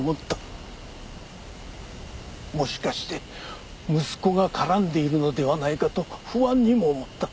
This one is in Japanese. もしかして息子が絡んでいるのではないかと不安にも思った。